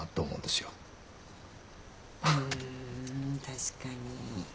確かに。